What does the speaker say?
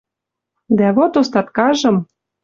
Дӓ вот остаткажым —